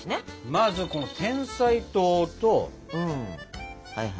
まずこのてんさい糖とお水。